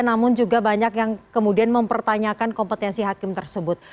namun juga banyak yang kemudian mempertanyakan kompetensi hakim tersebut